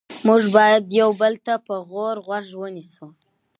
موږ باید یو بل ته په غور غوږ ونیسو